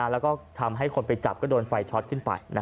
แล้วก็ทำให้คนไปจับก็โดนไฟช็อตขึ้นไป